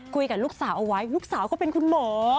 คุยกับลูกสาวเอาไว้ลูกสาวเขาเป็นคุณหมอ